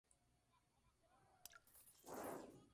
Sus traducciones le han reportado los siguientes galardones.